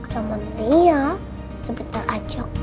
jangan tia sebentar aja